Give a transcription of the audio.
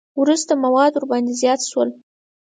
وروسته مواد ورباندې زیات شول.